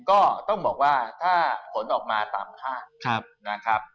ก็ต้องบอกว่าถ้าผลออกมาตามคาดนะครับ